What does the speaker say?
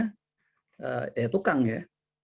pandai itu artinya tukang ya